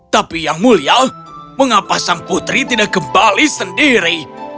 tapi yang mulia mengapa sang putri tidak kembali sendiri